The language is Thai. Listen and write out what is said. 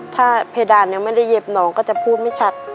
ถ้าเพดานยังไม่ได้เหยียบน้องก็จะพูดไม่ชัด